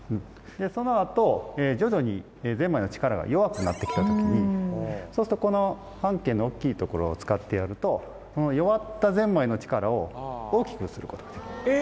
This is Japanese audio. その後徐々にゼンマイの力が弱くなって来た時にこの半径の大きい所を使ってやると弱ったゼンマイの力を大きくすることができる。